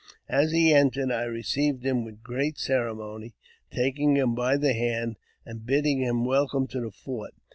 As he entered, I received him with great ceremony, taking him by the hand, and bidding him welcome to the fort.